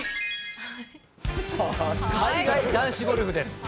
海外男子ゴルフです。